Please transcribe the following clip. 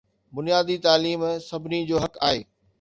بنيادي تعليم سڀني جو حق آهي